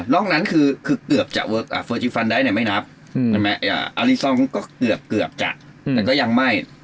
อกนั้นคือเกือบจะเฟอร์จีฟันได้เนี่ยไม่นับอัลลิซองก็เกือบจะแต่ก็ยังไม่